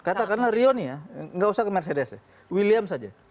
katakanlah rio ini ya nggak usah ke mercedes william saja